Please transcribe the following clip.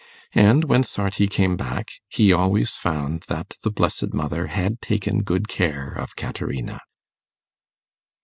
And when Sarti came back, he always found that the Blessed Mother had taken good care of Caterina.